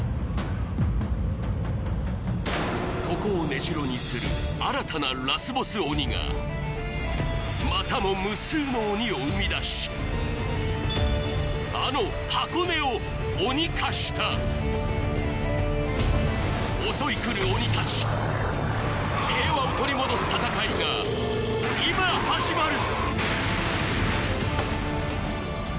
ここを根城にする新たなラスボス鬼がまたも無数の鬼を生み出しあの箱根を鬼化した襲い来る鬼たち平和を取り戻す戦いが今始まる！